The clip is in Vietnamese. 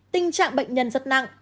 tình trạng bệnh nhân rất nặng